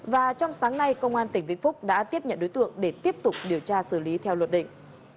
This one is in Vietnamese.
và trong sáng nay công an tỉnh vĩnh phúc đã tiếp nhận đối tượng để tiếp tục điều tra xử lý theo luật định